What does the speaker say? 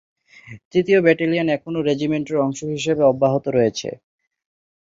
তৃতীয় ব্যাটালিয়ন এখনও রেজিমেন্টের অংশ হিসাবে অব্যাহত রয়েছে।